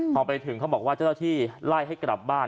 พอไปถึงเขาบอกว่าเจ้าที่ไล่ให้กลับบ้าน